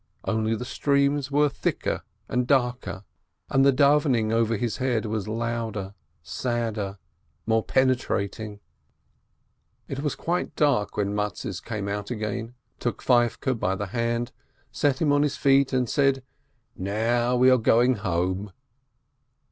Only the streams were thicker and darker, and the davvening over his head was louder, sadder, more pene trating. It was quite dark when Mattes came out again, took Feivke by the hand, set him on his feet, and said, "Now we are going home."